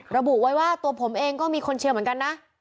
ระบุไว้ว่าตัวผมเองก็มีคนเชียร์เหมือนกันนะ